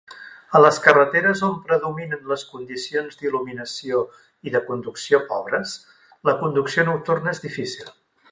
A les carreteres on predominen les condicions d'il·luminació i de conducció pobres, la conducció nocturna és difícil.